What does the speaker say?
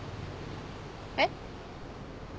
えっ？